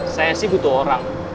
saya sih butuh orang